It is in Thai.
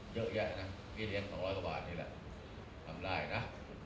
เยอะแยะนะพี่เลี้ยง๒๐๐กว่าบาทนี่แหละทำได้นะ